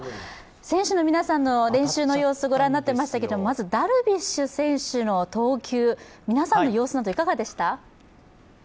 選手の皆さんの練習の様子ご覧になってましたけどまずダルビッシュ選手の投球、皆さんの様子などいかがでした？